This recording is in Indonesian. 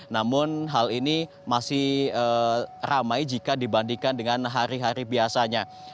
namun hal ini masih ramai jika dibandingkan dengan hari hari biasanya